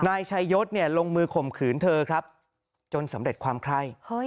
นายชายศลงมือข่มขืนเธอครับจนสำเร็จความไข้